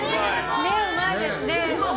うまいですね。